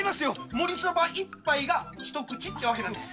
盛りそば一杯が一口ってわけなんです。